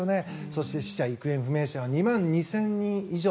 そして死者・行方不明者が２万２０００人以上。